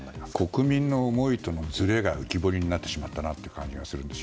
国民の思いとのずれが浮き彫りになってしまった気がするんです。